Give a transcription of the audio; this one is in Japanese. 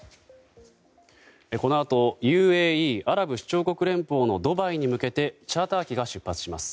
このあとＵＡＥ・アラブ首長国連邦のドバイに向けてチャーター機が出発します。